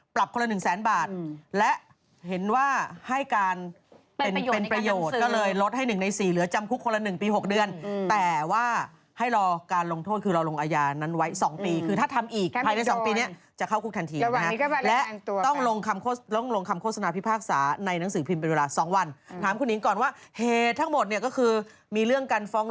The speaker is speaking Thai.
คนละหนึ่งแสนบาทและเห็นว่าให้การเป็นประโยชน์ก็เลยลดให้๑ใน๔เหลือจำคุกคนละ๑ปี๖เดือนแต่ว่าให้รอการลงโทษคือเราลงอาญานั้นไว้๒ปีคือถ้าทำอีกภายใน๒ปีนี้จะเข้าคุกทันทีนะและต้องลงคำลงคำโฆษณาพิพากษาในหนังสือพิมพ์เป็นเวลา๒วันถามคุณหญิงก่อนว่าเหตุทั้งหมดเนี่ยก็คือมีเรื่องการฟ้อง